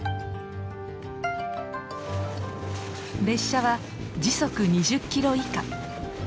列車は時速２０キロ以下。